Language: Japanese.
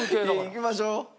いきましょう。